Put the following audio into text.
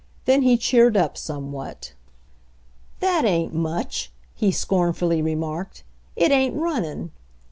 Then he cheered up somewhat "That ain't much!" he scornfully remarked. "It ain't runnin'